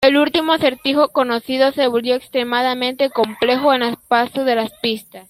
El último acertijo conocido se volvió extremadamente complejo con el paso de las pistas.